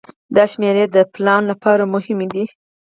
دا شمیرې د پلان لپاره مهمې دي.